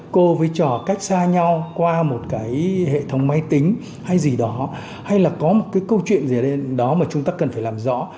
cô với trò cách xa nhau qua một cái hệ thống máy tính hay gì đó hay là có một cái câu chuyện gì đó mà chúng ta cần phải làm rõ